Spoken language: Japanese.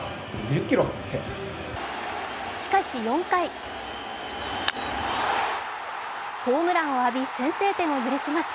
しかし、４回ホームランを浴び、先制点を許します。